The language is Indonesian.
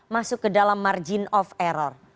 masuk ke dalam margin of error